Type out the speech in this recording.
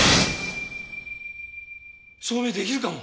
証明できるかも。